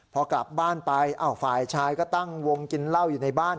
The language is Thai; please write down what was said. พอกลับบ้านไปฝ่ายชายก็ตั้งวงกินเหล้าอยู่ในบ้าน